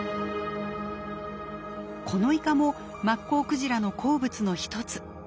このイカもマッコウクジラの好物の一つ。